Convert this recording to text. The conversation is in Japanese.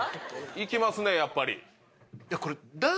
いきますねやっぱり。